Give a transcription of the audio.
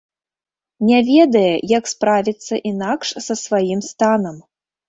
Не ведае, як справіцца інакш са сваім станам.